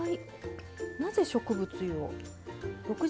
なぜ、植物油を？